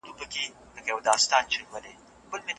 پیر به د خُم څنګ ته نسکور وو اوس به وي او کنه